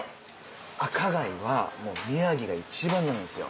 赤貝は宮城が一番なんですよ。